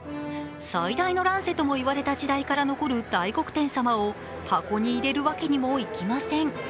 最大の乱世ともいわれた時代から残る大黒天様を箱に入れるわけにもいきません。